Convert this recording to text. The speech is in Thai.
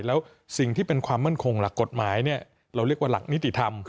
แล้วสิ่งที่เป็นความมั่นคงหลักกฎหมายเราเรียกว่าหลักนิติธรรม